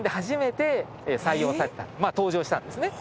登場したんですね。